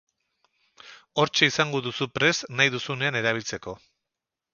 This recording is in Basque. Hortxe izango duzu prest nahi duzunean erabiltzeko.